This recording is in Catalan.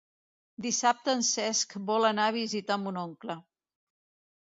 Dissabte en Cesc vol anar a visitar mon oncle.